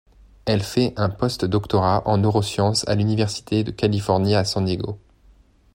Elle fait un postdoctorat en neurosciences à l'université de Californie à San Diego.